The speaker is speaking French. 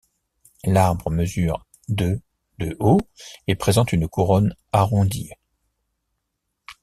L'arbre mesure de de haut et présente une couronne arrondie.